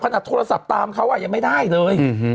โทรศัพท์ตามเขายังไม่ได้เลย